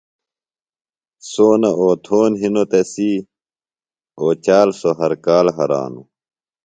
سونہ اوتھون ہنوۡ تسی، اوچال سوۡ ہر کال ہرانوۡ